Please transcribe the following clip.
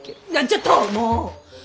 ちょっともう！